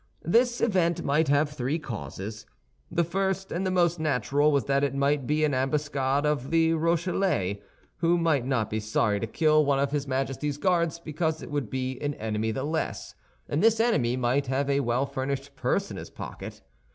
This event might have three causes: The first and the most natural was that it might be an ambuscade of the Rochellais, who might not be sorry to kill one of his Majesty's Guards, because it would be an enemy the less, and this enemy might have a well furnished purse in his pocket.